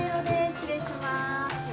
失礼します